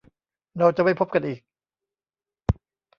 เราจะไม่พบกันอีก